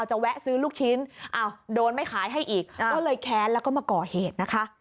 แวะซื้อลูกชิ้นอ้าวโดนไม่ขายให้อีกก็เลยแค้นแล้วก็มาก่อเหตุนะคะ